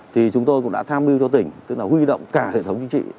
thì chúng tôi cũng đã tham mưu cho tỉnh tức là huy động cả hệ thống chính trị